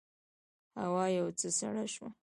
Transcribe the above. هوا یو څه سړه شوه.